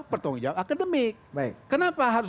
bertanggung jawab akademik kenapa harus